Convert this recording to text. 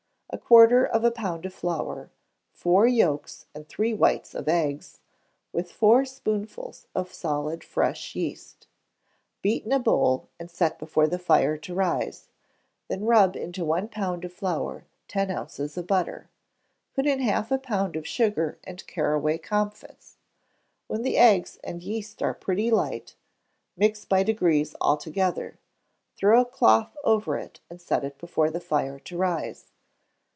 A quarter of a pound of flour; four yolks and three whites of eggs, with four spoonfuls of solid fresh yeast. Beat in a bowl, and set before the fire to rise; then rub into one pound of flour ten ounces of butter; put in half a pound of sugar, and caraway comfits; when the eggs and yeast are pretty light, mix by degrees all together; throw a cloth over it, and set before the fire to rise.